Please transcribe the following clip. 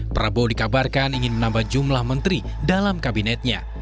prabowo dikabarkan ingin menambah jumlah menteri dalam kabinetnya